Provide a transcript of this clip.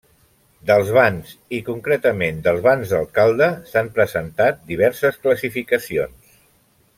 Dels bans i concretament dels bans d'alcalde s'han presentat diverses classificacions.